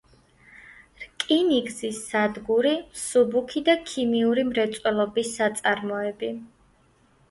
რკინიგზის სადგური; მსუბუქი და ქიმიური მრეწველობის საწარმოები.